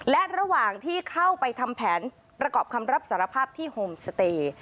และระหว่างที่เข้าไปทำแผนประกอบคำรับสารภาพที่โฮมสเตย์